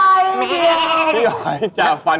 วาเรทชายไทย